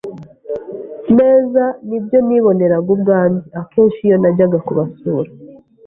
neza n’ibyo niboneraga ubwanjye akenshi iyo najyaga kubasura